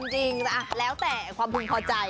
จริงแล้วแต่ความพึงพอใจ